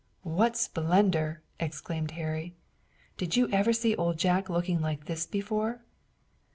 "What splendor!" exclaimed Harry. "Did you ever see Old Jack looking like this before?"